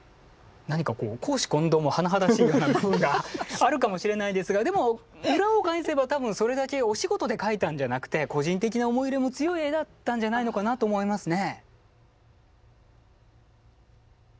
何か公私混同も甚だしいようなあるかもしれないですがでも裏を返せば多分それだけお仕事で描いたんじゃなくて個人的な思い入れも強い絵だったんじゃないのかなと思いますね。